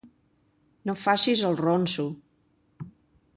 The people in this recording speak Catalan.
No facis el ronso.